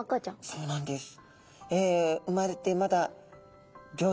そうなんです。